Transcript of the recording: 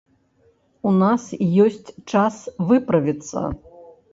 У нас ёсць час выправіцца.